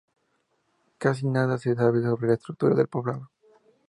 Casi nada se sabe sobre la estructura del poblado.